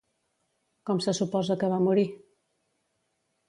Com se suposa que va morir?